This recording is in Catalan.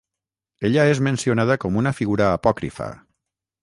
Ella és mencionada com una figura apòcrifa.